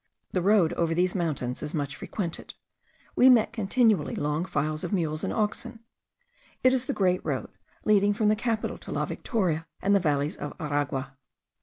The road over these mountains is much frequented; we met continually long files of mules and oxen; it is the great road leading from the capital to La Victoria, and the valleys of Aragua.